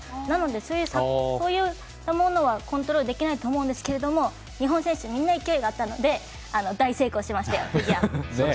なので、こういったものはコントロールできないと思うんですけど日本選手、みんな勢いがあったので大成功しました。